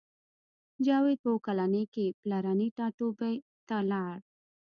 جاوید په اوه کلنۍ کې پلرني ټاټوبي ته لاړ